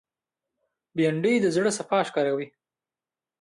بېنډۍ د زړه صفا ښکاروي